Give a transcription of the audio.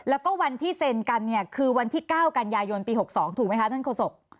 แล้วก็วันที่เซ็นกันเนี่ยคือวันที่๙กันยายนปี๖๒ถูกไหมคะท่านโฆษก